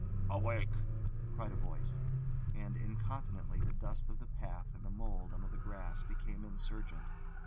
"Awake!" cried a voice; and incontinently the dust of the path and the mould under the grass became insurgent.